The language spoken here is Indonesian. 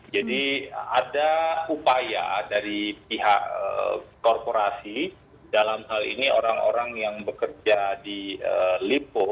jadi ada upaya dari pihak korporasi dalam hal ini orang orang yang bekerja di lipo